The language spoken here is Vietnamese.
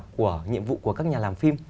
của nhiệm vụ của các nhà làm phim